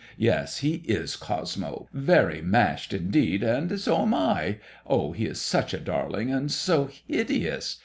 Yes, he is, Cosmo; very mashed indeed, and so am L Oh, he is such a darling, and so hideous.